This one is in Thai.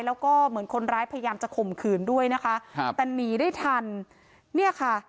แล้วก็เหมือนคนร้ายพยายามจะข่มขืนด้วยนะคะครับแต่หนีได้ทันเนี่ยค่ะ